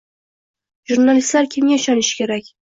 Jurnalistlar kimga ishonishi kerak?